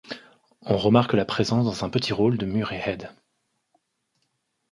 On remarque la présence dans un petit rôle de Murray Head.